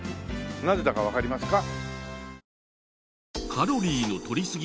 なぜだかわかりますか？